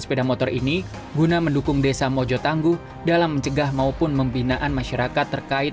sepeda motor ini guna mendukung desa mojotangguh dalam mencegah maupun membinaan masyarakat terkait